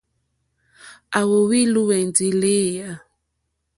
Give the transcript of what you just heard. À wóhwì lùwɛ̀ndì lééyà.